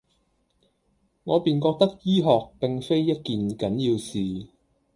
我便覺得醫學並非一件緊要事，